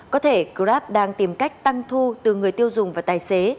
có thể grab đang tìm cách tăng thu từ người tiêu dùng và tài xế